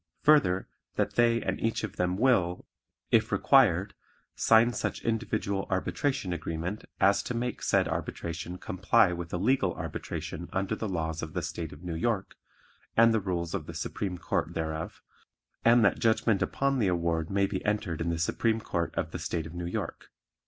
Further, that they and each of them will, if required, sign such individual arbitration agreement as to make said arbitration comply with a legal arbitration under the laws of the State of New York, and the rules of the Supreme Court thereof, and that judgment upon the award may be entered in the Supreme Court of the State of New York.